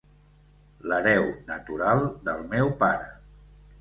L'hereu natural del meu pare.